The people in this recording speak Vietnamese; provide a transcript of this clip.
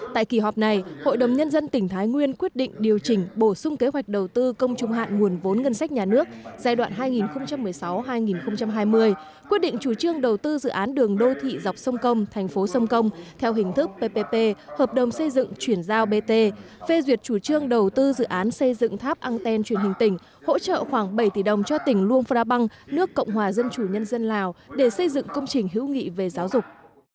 tại kỳ họp này hội đồng nhân dân tỉnh thái nguyên quyết định điều chỉnh bổ sung kế hoạch đầu tư công trung hạn nguồn vốn ngân sách nhà nước giai đoạn hai nghìn một mươi sáu hai nghìn hai mươi quyết định chủ trương đầu tư dự án đường đô thị dọc sông công thành phố sông công theo hình thức ppp hợp đồng xây dựng chuyển giao bt phê duyệt chủ trương đầu tư dự án xây dựng tháp anten truyền hình tỉnh hỗ trợ khoảng bảy tỷ đồng cho tỉnh luông phra bang nước cộng hòa dân chủ nhân dân lào để xây dựng công trình hữu nghị về giáo dục